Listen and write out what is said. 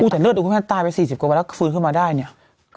แต่เลือดของคุณแม่ตายไป๔๐กว่าวันแล้วก็ฟื้นขึ้นมาได้เนี่ย